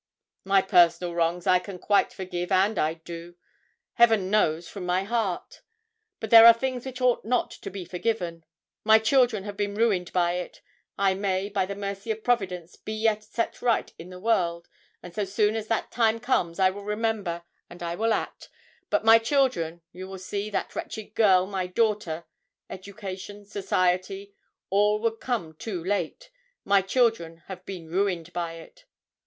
'"My personal wrongs I can quite forgive, and I do, Heaven knows, from my heart; but there are things which ought not to be forgiven. My children have been ruined by it. I may, by the mercy of Providence, be yet set right in the world, and so soon as that time comes, I will remember, and I will act; but my children you will see that wretched girl, my daughter education, society, all would come too late my children have been ruined by it."